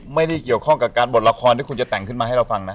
ไม่ได้เกี่ยวข้องกับการบทละครที่คุณจะแต่งขึ้นมาให้เราฟังนะ